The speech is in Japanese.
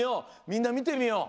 みんなみてみよう。